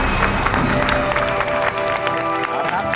สู้ครับ